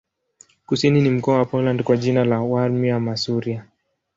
Kusini ni mkoa wa Poland kwa jina la Warmia-Masuria.